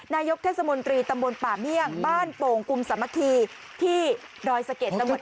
นายกเทศมนตรีตำบลป่าเมี่ยงบ้านโป่งกุมสามัคคีที่ดอยสะเก็ด